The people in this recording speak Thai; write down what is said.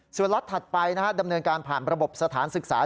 ส่วนล็อตถัดไปดำเนินการผ่านระบบสถานศึกษา